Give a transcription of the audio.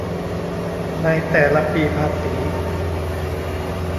ในแต่ละปีภาษี